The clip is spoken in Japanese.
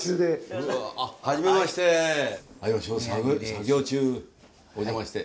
作業中お邪魔して。